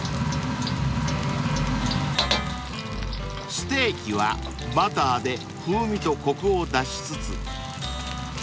［ステーキはバターで風味とコクを出しつつ］